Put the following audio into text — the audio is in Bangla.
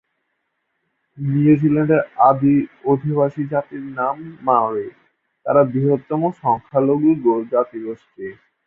নিউজিল্যান্ডের আদি অধিবাসী জাতির নাম মাওরি; তারা বৃহত্তম সংখ্যালঘু জাতিগোষ্ঠী।